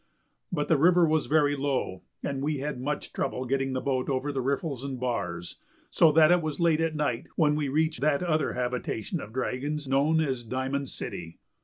But the river was very low and we had much trouble getting the boat over riffles and bars, so that it was late at night when we reached that other habitation of dragons known as Diamond City.